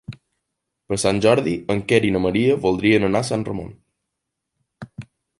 Per Sant Jordi en Quer i na Maria voldrien anar a Sant Ramon.